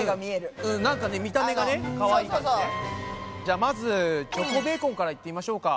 じゃあまずチョコベーコンからいってみましょうか。